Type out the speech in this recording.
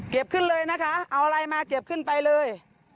ขึ้นเลยนะคะเอาอะไรมาเก็บขึ้นไปเลย